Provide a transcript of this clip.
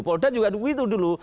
polres juga itu dulu